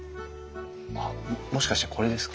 あっもしかしてこれですか？